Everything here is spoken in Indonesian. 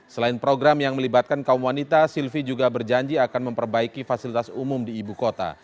selain program yang melibatkan kaum wanita sylvi juga berjanji akan memperbaiki fasilitas umum di ibu kota